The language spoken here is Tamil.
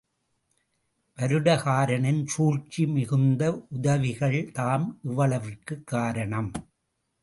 வருடகாரனின் சூழ்ச்சி மிகுந்த உதவிகள்தாம் இவ்வளவிற்கும் காரணம்.